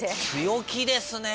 強気ですね。